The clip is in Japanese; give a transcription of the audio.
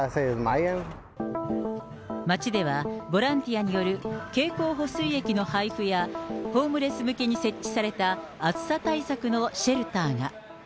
町では、ボランティアによる経口補水液の配布や、ホームレス向けに設置された暑さ対策のシェルターが。